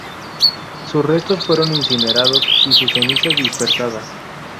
Sus restos fueron incinerados, y sus cenizas dispersadas.